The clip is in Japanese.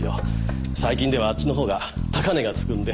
最近ではあっちの方が高値がつくんで。